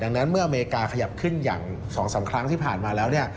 ดังนั้นเมื่ออเมริกาขยับขึ้นอย่าง๒๓ครั้งที่ผ่านมาแล้วเนี่ย